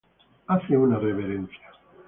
Hace una reverencia